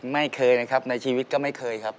ไม่เคยนะครับในชีวิตก็ไม่เคยครับ